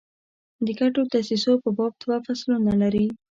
د ګډو دسیسو په باب دوه فصلونه لري.